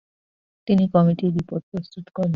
তিনি কমিটির রিপোর্ট প্রস্তুত করেন।